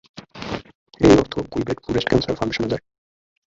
এই অর্থ Quebec breast cancer ফাউন্ডেশনে যায়।